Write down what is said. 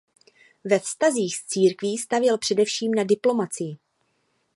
Ve vztazích s církví stavěl především na diplomacii.